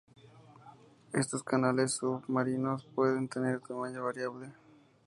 Estos canales submarinos pueden tener tamaño variable.